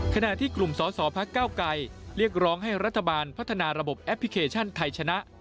ขณะที่กลุ่มสอสอพักเก้าไกรเรียกร้องให้รัฐบาลพัฒนาระบบแอปพลิเคชันไทยชนะ